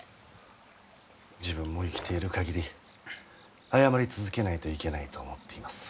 自分も生きている限り謝り続けないといけないと思っています。